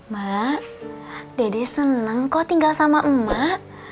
mak dede seneng kok tinggal sama emak